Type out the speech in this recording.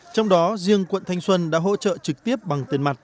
trong đó riêng quận thanh xuân đã hỗ trợ trực tiếp bằng tiền mặt